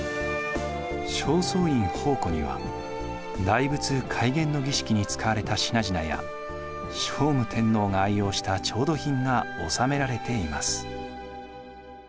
正倉院宝庫には大仏開眼の儀式に使われた品々や聖武天皇が愛用した調度品が収められています。